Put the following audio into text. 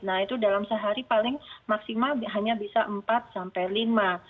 nah itu dalam sehari paling maksimal hanya bisa empat sampai lima